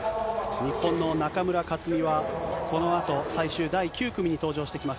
日本の中村克は、このあと最終第９組に登場してきます。